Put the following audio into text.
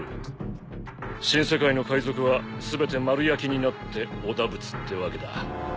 新世界の海賊は全て丸焼きになっておだぶつってわけだ。